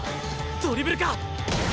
ドリブルか？